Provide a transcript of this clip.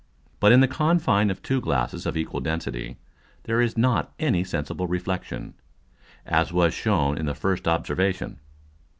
But in the Confine of two Glasses of equal density, there is not any sensible Reflexion; as was shewn in the first Observation.